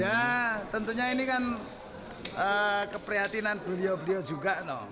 ya tentunya ini kan keprihatinan beliau beliau juga